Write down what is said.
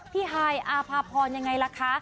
พี่หายอาภาพรอย่างไรล่ะคะ